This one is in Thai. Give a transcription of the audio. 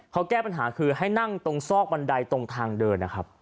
เขาแก้ปัญหาคือให้นั่งตรงซอกบันไดตรงทางเดินนะครับ